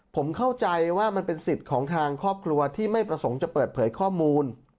ผมเข้าใจว่ามันเป็นสิทธิ์ของทางครอบครัวที่ไม่ประสงค์จะเปิดเผยข้อมูล